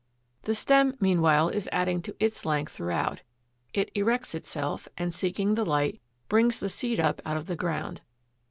The stem meanwhile is adding to its length throughout; it erects itself, and, seeking the light, brings the seed up out of the ground.